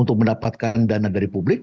untuk mendapatkan dana dari publik